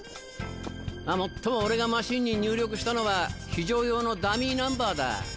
もっとも俺がマシンに入力したのは非常用のダミーナンバーだ。